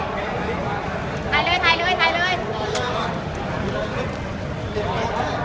เปิดซ้าด้วยฮะ